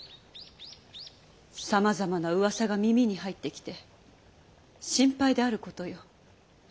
さまざまなうわさが耳に入ってきて心配であることよ。